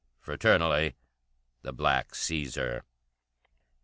Fraternally, the Black Caesar."